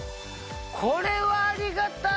これはありがたい。